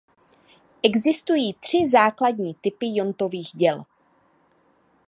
Existují tři základní typy iontových děl.